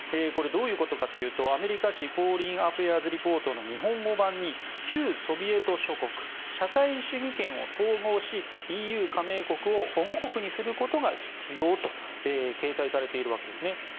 これはどういうことかというとアメリカ誌「フォーリン・アフェアーズ・リポート」の日本語版に旧ソビエト諸国社会主義圏を統合しＥＵ加盟国を保護国にすることが必要と掲載されているわけです。